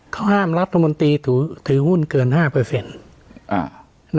เขาห้ามรัฐมนตรีถือหุ้นเกิน๕เปอร์เซ็นต์